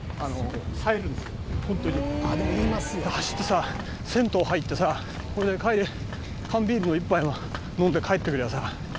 走ってさ銭湯入ってさそれで帰り缶ビールの１杯飲んで帰ってみりゃさ。